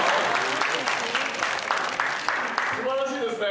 素晴らしいですね